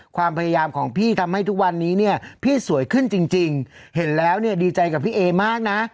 ความพยายามของพี่ทำให้ทุกวันนี้เนี่ยพี่สวยขึ้นจริงเห็นแล้วเนี่ยดีใจกับพี่เอมากนะ